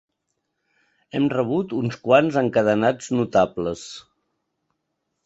Hem rebut uns quants encadenats notables.